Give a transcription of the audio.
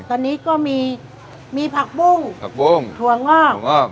ตอนนี้ก็มีมีผักบุ้งผักบุ้งถั่วงอกถั่ว